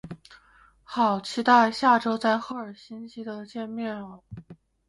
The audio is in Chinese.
好期待下周在赫尔辛基的见面啊